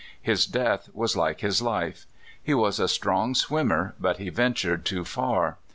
His death was like his life. He was a strong swimmer, but he ventured too far.